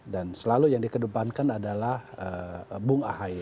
dan selalu yang di kedepankan adalah bung ahi